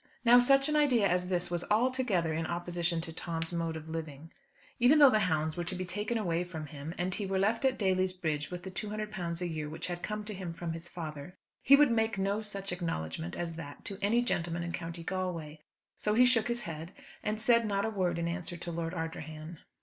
Now such an idea as this was altogether in opposition to Tom's mode of living. Even though the hounds were to be taken away from him, and he were left at Daly's Bridge with the £200 a year which had come to him from his father, he would make no such acknowledgment as that to any gentleman in County Galway. So he shook his head, and said not a word in answer to Lord Ardrahan.